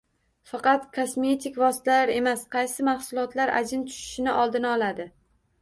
Faqat kosmetik vositalar emas: Qaysi mahsulotlar ajin tushishining oldini oladi?